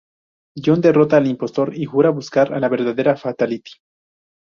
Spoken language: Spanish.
John derrota al impostor y jura buscar a la verdadera Fatality.